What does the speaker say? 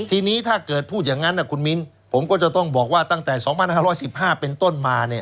ทีนี้ถ้าเกิดพูดอย่างนั้นคุณมิ้นผมก็จะต้องบอกว่าตั้งแต่๒๕๑๕เป็นต้นมาเนี่ย